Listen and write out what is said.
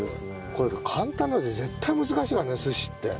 これ簡単なようで絶対難しいからね寿司って。